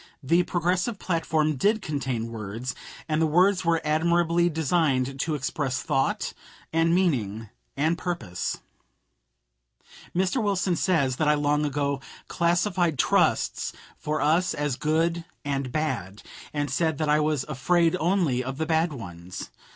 The Progressive platform did contain words, and the words were admirably designed to express thought and meaning and purpose. Mr. Wilson says that I long ago "classified trusts for us as good and bad," and said that I was "afraid only of the bad ones."